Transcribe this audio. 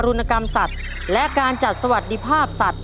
รุณกรรมสัตว์และการจัดสวัสดิภาพสัตว